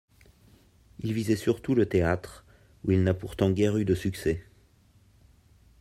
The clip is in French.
Il visait surtout le théâtre, où il n’a pourtant guère eu de succès.